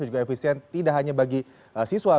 dan efisien tidak hanya bagi siswa